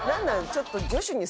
ちょっと。